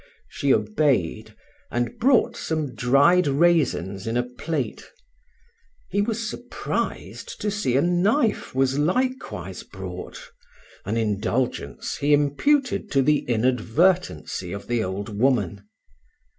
She obeyed, and brought some dried raisins in a plate. He was surprised to see a knife was likewise brought; an indulgence he imputed to the inadvertency of the old woman.